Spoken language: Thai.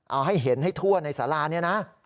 เอาให้เห็นให้ทั่วในสารานี้นะ